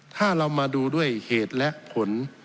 ถ้าเรามาดูด้วยเหตุและผล